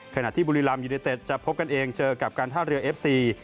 ขณะที่บุรีรัมยูเนเต็ดจะพบกันเองเจอกับการท่าเรือเอฟซี